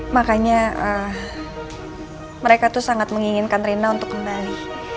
makanya mereka tuh sangat menginginkan rina untuk kembali